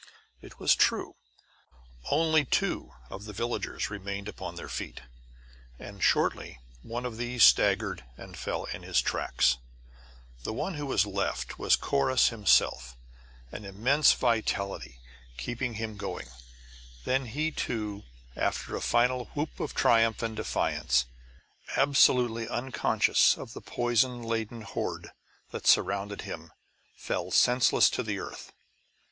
It was true. Only two of the villagers remained upon their feet, and shortly one of these staggered and fell in his tracks. The one who was left was Corrus himself, his immense vitality keeping him going. Then he, too, after a final whoop of triumph and defiance, absolutely unconscious of the poison laden horde that surrounded him, fell senseless to the earth.